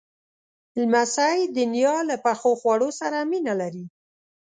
لمسی د نیا له پخو خواړو سره مینه لري.